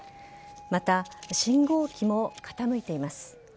また、信号機も傾いています。